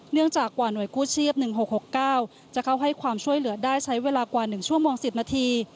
เนื่องจากกว่าหน่วยกู้ชีพ๑๖๖๙จะเข้าให้ความช่วยเหลือได้ใช้เวลากว่า๑ชั่วโมง๑๐นาที